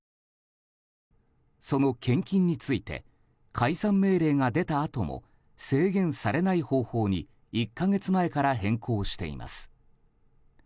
その献金について解散命令が出たあとも制限されない方法に１か月前から変更しています。